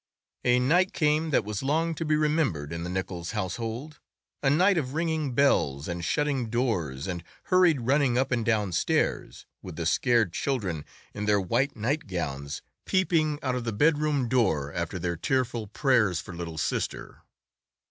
A night came that was long to be remembered in the Nichols household—a night of ringing bells and shutting doors and hurried running up and down stairs, with the scared children in their white night gowns peeping out of the bedroom door after their tearful prayers for little sister.